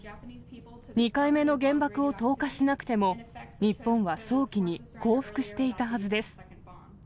２回目の原爆を投下しなくても、日本は早期に降伏していたはずです。